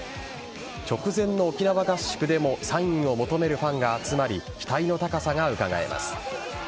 直前の沖縄合宿でもサインを求めるファンが集まり期待の高さがうかがえます。